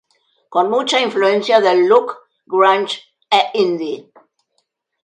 Con mucha influencia del look grunge e indie.